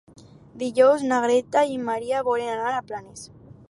Dijous na Greta i en Maria volen anar a Planes.